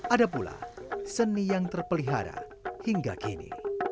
ada pula seni yang terpelihara hingga kini